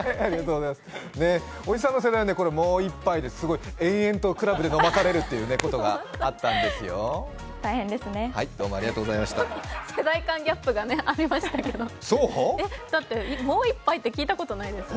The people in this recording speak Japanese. おじさんの世代はもう一杯で延々とクラブで飲まされるということがあったんですよ。